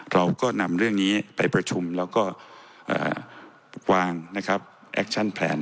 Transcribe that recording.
เราก็นำเรื่องนี้ไปประชุมแล้วก็วางนะครับแอคชั่นแผน